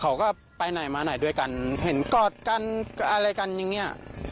เขาก็ไปหน่อยมาหน่อยด้วยกันเห็นกอดกันอะไรกันอย่างนี้